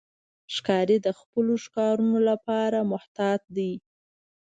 ښکاري د خپلو ښکارونو لپاره محتاط دی.